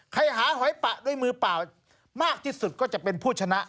หาหอยปะด้วยมือเปล่ามากที่สุดก็จะเป็นผู้ชนะ